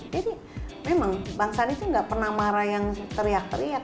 jadi memang bang sandi itu nggak pernah marah yang teriak teriak